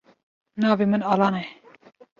Navê min Alan e.